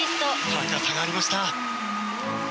高さがありました。